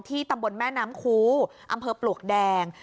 ตำบลแม่น้ำคูอำเภอปลวกแดง